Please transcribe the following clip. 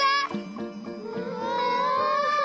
うわ！